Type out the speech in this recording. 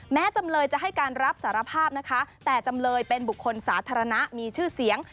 จำเลยจะให้การรับสารภาพนะคะแต่จำเลยเป็นบุคคลสาธารณะมีชื่อเสียง